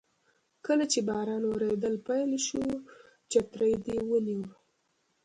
کله چې باران وریدل پیل شول چترۍ دې ونیوه.